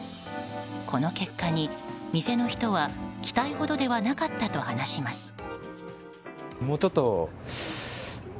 この結果に店の人は期待ほどではなかったと話します。